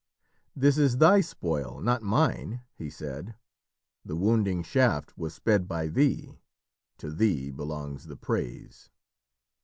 "This is thy spoil, not mine," he said. "The wounding shaft was sped by thee. To thee belongs the praise."